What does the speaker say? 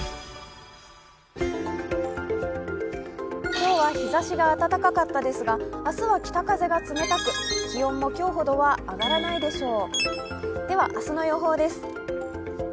今日は日ざしが暖かかったですが、明日は北風が冷たく、気温も今日ほどは上がらないでしょう。